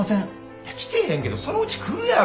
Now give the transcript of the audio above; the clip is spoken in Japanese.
いや来てへんけどそのうち来るやろ。